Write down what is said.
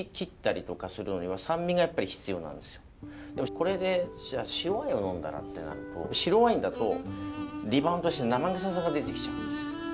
これで白ワインを呑んだらってなると白ワインだとリバウンドして生臭さが出てきちゃうんですよ。